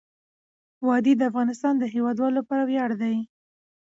وادي د افغانستان د هیوادوالو لپاره ویاړ دی.